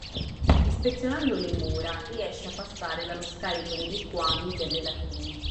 Ispezionando le mura riesce a passare dallo scarico dei liquami delle latrine.